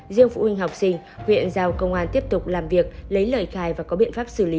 riêng phụ huynh học sinh huyện giao công an tiếp tục làm việc lấy lời khai và có biện pháp xử lý